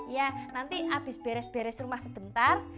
iya nanti abis beres beres rumah sebentar